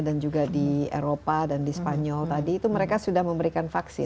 dan juga di eropa dan di spanyol tadi itu mereka sudah memberikan vaksin